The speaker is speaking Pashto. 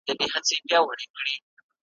د رباب په غوږ کي وايی شهبازونه زما سندري `